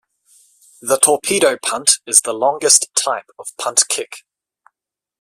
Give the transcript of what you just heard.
The torpedo punt is the longest type of punt kick.